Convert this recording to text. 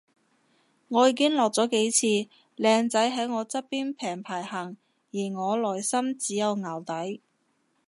我已經落咗幾次，靚仔喺我側邊平排行而我內心只有淆底